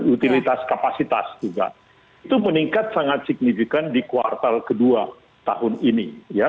utilitas kapasitas juga itu meningkat sangat signifikan di kuartal kedua tahun ini